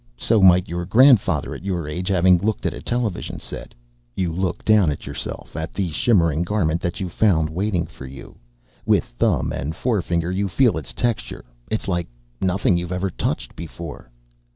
So might your grandfather, at your age, have looked at a television set. You look down at yourself, at the shimmering garment that you found waiting for you. With thumb and forefinger you feel its texture. It's like nothing you've ever touched before.